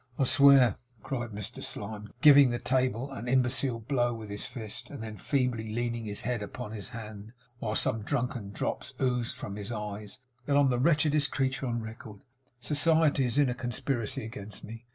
'I swear,' cried Mr Slyme, giving the table an imbecile blow with his fist, and then feebly leaning his head upon his hand, while some drunken drops oozed from his eyes, 'that I am the wretchedest creature on record. Society is in a conspiracy against me.